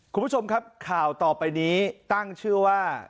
คุณผู้ชมครับข่าวต่อไปนี้ตั้งชื่อว่า